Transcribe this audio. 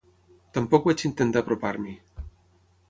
Tampoc vaig intentar apropar-m'hi.